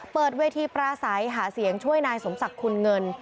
เปิดเวทีปราศัยหาเสียงช่วยนายสมศักดิ์คุณเงิน